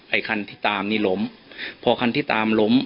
ไอคันที่ตามนี้ล้ม